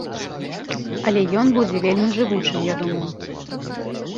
Але ён будзе вельмі жывучым, я думаю.